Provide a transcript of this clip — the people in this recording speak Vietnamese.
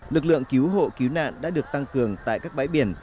lực lượng cứu hộ cứu nạn đã được tăng cường tại các bãi biển